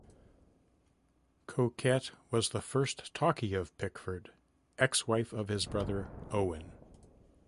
"Coquette" was the first talkie of Pickford, ex-wife of his brother Owen.